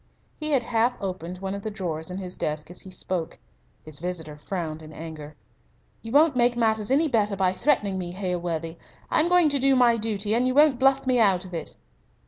He had half opened one of the drawers in his desk as he spoke. His visitor frowned in anger. "You won't make matters any better by threatening me, Hailworthy. I am going to do my duty, and you won't bluff me out of it."